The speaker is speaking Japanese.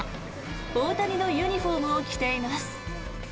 大谷のユニホームを着ています。